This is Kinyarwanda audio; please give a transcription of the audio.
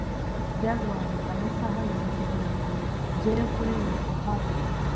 Byantwaye amasaha abiri kugirango ngere kuri Yokohama.